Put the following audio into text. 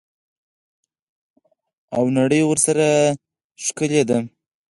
او نړۍ ورسره ښکلې ده.